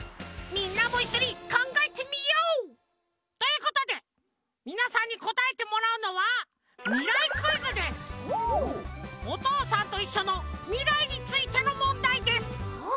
みんなもいっしょにかんがえてみよう！ということでみなさんにこたえてもらうのは「おとうさんといっしょ」のみらいについてのもんだいです。